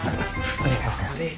お疲れさまです。